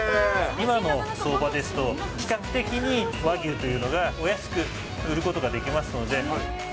今の相場ですと、比較的、和牛というのがお安く売ることができますので。